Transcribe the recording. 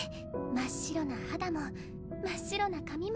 真っ白な肌も真っ白な髪も